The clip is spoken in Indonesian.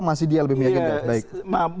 masih dia lebih meyakinkan